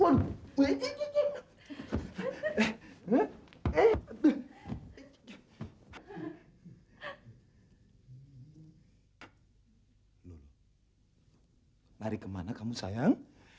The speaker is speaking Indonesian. nari kemana kamu sayang